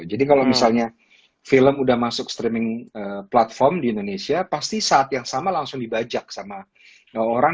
jadi kalau misalnya film udah masuk streaming platform di indonesia pasti saat yang sama langsung dibajak sama orang